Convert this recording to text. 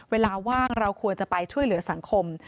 เวลาว่างเราควรจะไปช่วยเหลือสังคม